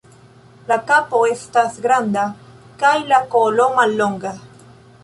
La kapo estas granda kaj la kolo mallonga.